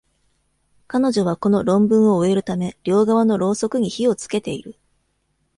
彼女はこの論文を終えるため、両側のろうそくに火を点けている。